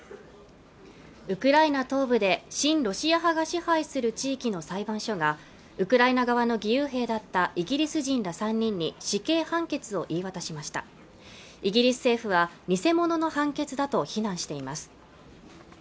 ウクライナ東部で親ロシア派が支配する地域の裁判所がウクライナ側の義勇兵だったイギリス人ら３人に死刑判決を言い渡しましたイギリス政府は偽物の判決だと非難しています